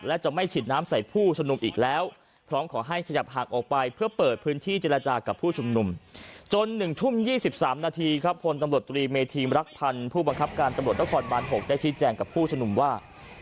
ได้ชี่แจกกับผู้ชมหนุ่มว่า